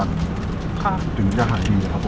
ดูแลบ้างไหมครับ